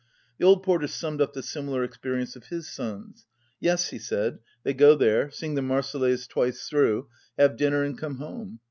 The old porter summed up the similar experience of his sons. "Yes," he said, "they go there, sing the Marseillaise twice through, have dinner and come home."